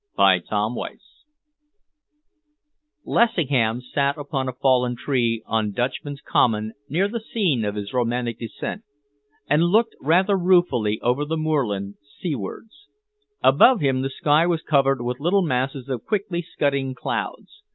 CHAPTER XIX Lessingham sat upon a fallen tree on Dutchman's Common near the scene of his romantic descent, and looked rather ruefully over the moorland, seawards. Above him, the sky was covered with little masses of quickly scudding clouds.